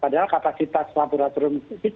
padahal kapasitas laboratorium ini masih ada